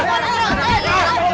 gue kaget tau